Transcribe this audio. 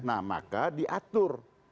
nah maka diatur